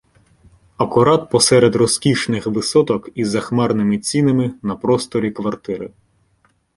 Акурат посеред розкішних висоток із захмарними цінами на просторі квартири